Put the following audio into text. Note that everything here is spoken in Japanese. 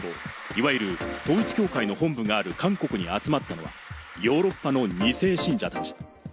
先月、世界平和統一家庭連合、いわゆる統一教会の本部がある韓国に集まったのは、ヨーロッパの２世信者たち。